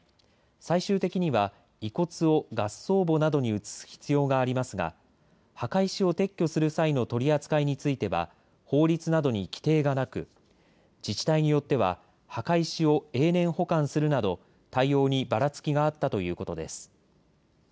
最終的には遺骨を合葬墓などに移す必要がありますが墓石を撤去する際の取り扱いについては法律などに規定がなく自治体によっては墓石を永年保管するなど対応にばらつきがあったということです。